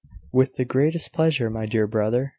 "With the greatest pleasure, my dear brother.